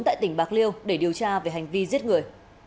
tại tỉnh bạc liêu để điều tra về hành vi giết người